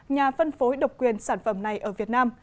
nhà phân phối độc quyền sản phẩm này ở việt nam